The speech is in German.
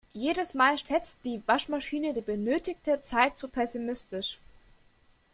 Jedes Mal schätzt die Waschmaschine die benötigte Zeit zu pessimistisch.